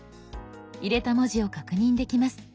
入れた文字を確認できます。